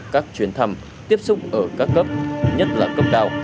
các chuyến thăm tiếp xúc ở các cấp nhất là cấp cao